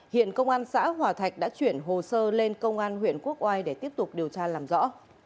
hiện công an xã hòa thạch đã chuyển hồ sơ lên công an huyện quốc oai để tiếp tục điều tra làm rõ